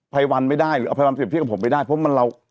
ภัยวันไม่ได้หรือเอาภัยวันเรียบเทียบกับผมไม่ได้เพราะมันเรา